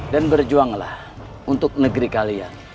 dan berjuanglah untuk negeri kalian